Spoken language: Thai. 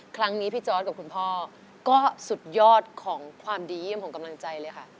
ครั้งนี้พี่จอร์ดกับคุณพ่อก็สุดยอดของความดีเยี่ยมของกำลังใจเลยค่ะ